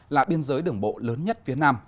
là biên giới đường bộ lớn nhất phía nam